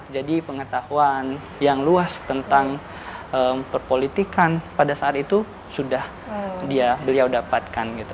jadi pengetahuan yang luas tentang perpolitikan pada saat itu sudah beliau dapatkan